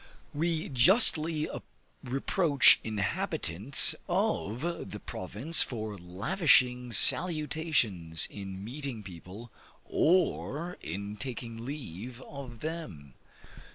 We justly reproach inhabitants of the province for lavishing salutations in meeting people, or in taking leave of them.